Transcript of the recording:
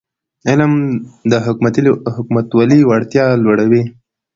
علم د حکومتولی وړتیا لوړوي.